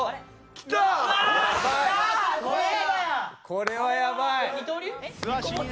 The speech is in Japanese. これはやばい。